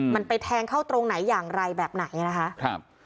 มันไปแทงเข้าตรงไหนอย่างไรแบบไหนนะคะ